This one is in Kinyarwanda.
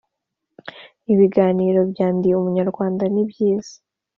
ibiganiro bya Ndi Umunyarwanda ni byiza